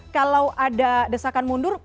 kalau ada desakan mundur